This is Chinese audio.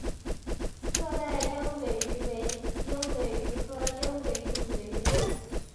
侧带鹦嘴鱼为鹦嘴鱼科鹦嘴鱼属的鱼类。